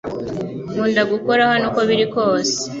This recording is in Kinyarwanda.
Nkunda gukora hano uko biri kose